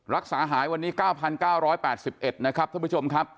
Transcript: รักษาหายวันนี้๙๙๘๑นะครับท่านผู้ชมครับ